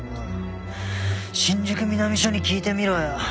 新宿南署に聞いてみろよ。